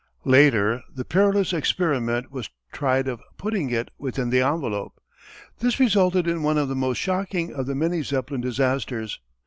Later the perilous experiment was tried of putting it within the envelope. This resulted in one of the most shocking of the many Zeppelin disasters.